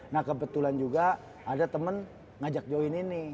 nah kebetulan juga ada temen ngajak join ini